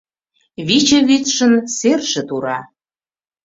Виче вӱдшын серже тура